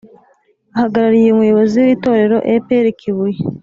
ahagarariye umuyobozi w’itorero e.p.r kibuye.